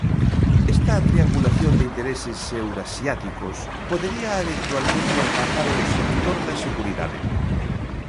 Esta triangulación de intereses eurasiáticos podería eventualmente alcanzar o sector da seguridade.